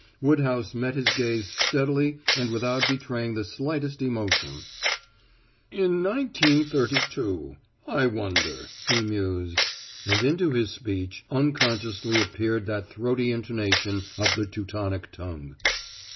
Woodhouse met his gaze steadily and without betraying the slightest emotion. "In 1932 I wonder," he mused, and into his speech unconsciously appeared that throaty intonation of the Teutonic tongue.